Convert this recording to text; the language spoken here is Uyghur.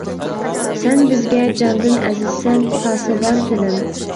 سەن بىزگە جاندىن ئەزىزسەن پاسىبان تىلىم.